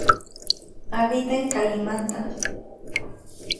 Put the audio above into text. Habita en Kalimantan.